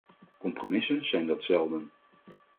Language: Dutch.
Compromissen zijn dat zelden.